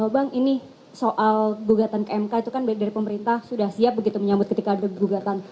bang ini soal gugatan ke mk itu kan baik dari pemerintah sudah siap begitu menyambut ketika ada gugatan